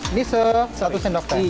ini satu sendok teh